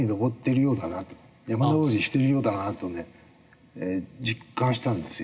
山登りしてるようだなとね実感したんですよ。